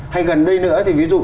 hay gần đây nữa thì ví dụ